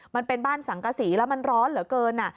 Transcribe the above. มันเป็นบ้านสังกษีแล้วมันร้อนเหลือเกิน